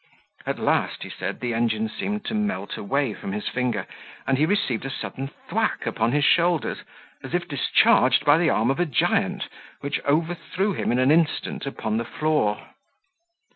At last, he said, the engine seemed to melt away from his finger, and he received a sudden thwack upon his shoulders, as if discharged by the arm of a giant, which overthrew him in an instant upon the floor.